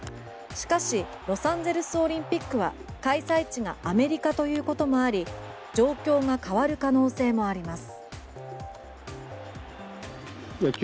しかしロサンゼルスオリンピックは開催地がアメリカということもあり状況が変わる可能性もあります。